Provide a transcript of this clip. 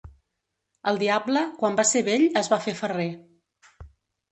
El diable, quan va ser vell, es va fer ferrer.